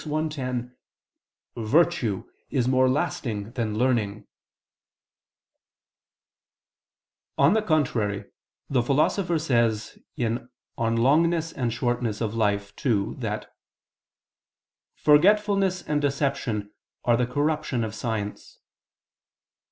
i, 10), "virtue is more lasting than learning." On the contrary, The Philosopher says (De Long. et Brev. Vitae ii) that "forgetfulness and deception are the corruption of science."